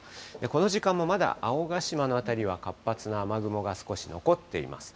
この時間もまだ青ヶ島の辺りは活発な雨雲が少し残っています。